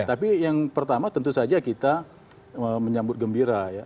tapi yang pertama tentu saja kita menyambut gembira ya